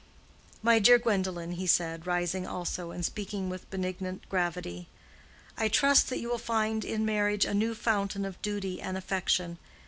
"My dear Gwendolen," he said, rising also, and speaking with benignant gravity, "I trust that you will find in marriage a new fountain of duty and affection.